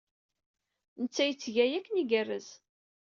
Netta yetteg aya akken igerrez.